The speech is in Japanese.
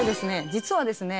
実はですね